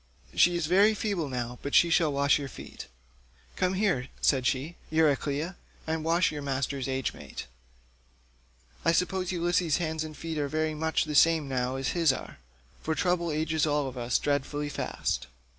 She is very feeble now, but she shall wash your feet." "Come here," said she, "Euryclea, and wash your master's age mate; I suppose Ulysses' hands and feet are very much the same now as his are, for trouble ages all of us dreadfully fast."